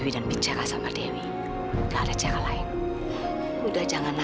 sampai jumpa di video selanjutnya